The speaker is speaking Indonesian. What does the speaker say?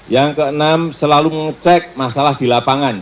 yang keenam selalu ngecek masalah di lapangan